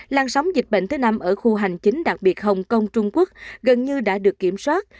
lan sóng dịch bệnh thứ năm ở khu hành chính đặc biệt hồng kông trung quốc gần như đã được kiểm soát